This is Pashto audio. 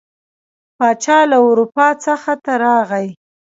پاچا له اروپا څخه ته راغی.